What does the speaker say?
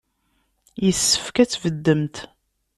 Yessefk ad tbeddemt.